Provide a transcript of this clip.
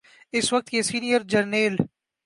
اس وقت کے سینئر جرنیل۔